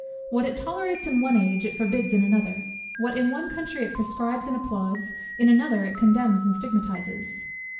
What it tolerates in one age, it forbids in another; what in one country it prescribes and applauds, in another it condemns and stigmatizes!